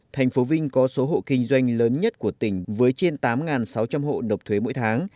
thành phố vinh có số hộ kinh doanh lớn nhất của tỉnh với trên tám sáu trăm linh hộ nộp thuế mỗi tháng